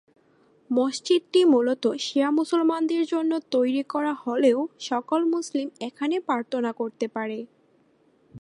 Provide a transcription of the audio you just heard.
মসজিদটি মূলত শিয়া মুসলমানদের জন্য তৈরি করা হলেও সকল মুসলিম এখানে প্রার্থনা করতে পারে।